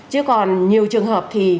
chứ còn nhiều trường hợp thì